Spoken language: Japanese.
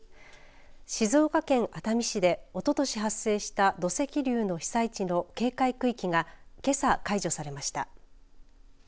静岡県熱海市でおととし発生した土石流の被災地の警戒区域がけさ解除されました。